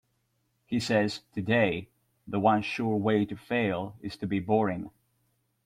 He says, Today, the one sure way to fail is to be boring.